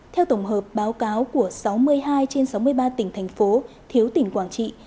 theo tổng hợp báo cáo của sáu mươi hai trên sáu mươi ba tỉnh thành phố thiếu tỉnh quảng trị